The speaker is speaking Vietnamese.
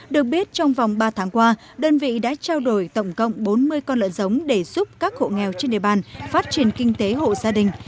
được biết trong vòng ba tháng qua đơn vị đã trao đổi tổng cộng bốn mươi con lợn giống để giúp các hộ nghèo trên địa bàn phát triển kinh tế hộ gia đình